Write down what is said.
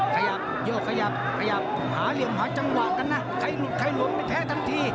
ขยับโยกขยับขยับหาเหลี่ยมหาจังหวะกันนะใครหลุดใครหลวมไม่แพ้ทันที